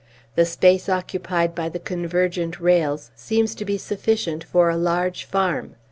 The space occupied by the convergent rails seems to be sufficient for a large farm.